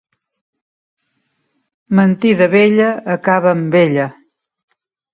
Mentida vella, acaba amb ella.